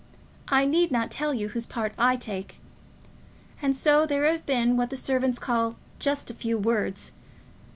I need not tell you whose part I take. And so there have been what the servants call 'just a few words.'